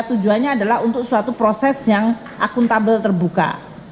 tujuannya adalah untuk suatu proses yang akuntabel terbuka